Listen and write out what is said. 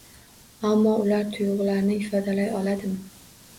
Ammo ular tuyg’ularni ifodalay oladimi?